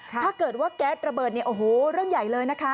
ถ้าเกิดว่าแก๊สระเบิดเนี่ยโอ้โหเรื่องใหญ่เลยนะคะ